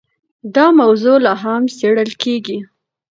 دا موضوع لا هم څېړل کېږي.